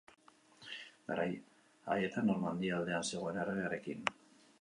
Garai haietan Normandia aldean zegoen erregearekin.